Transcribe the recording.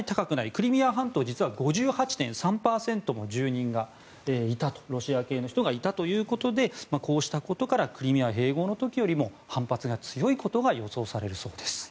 クリミア半島、実は５８．３％のロシア系の人がいたということでこうしたことからクリミア併合の時よりも反発が強いことが予想されるそうです。